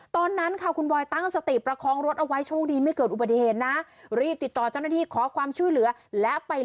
ตอนนั้นค่ะคุณบอยตั้งสติประคองรถเอาไว้